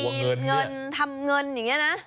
มีเงินทำเงินอย่างนี้นะ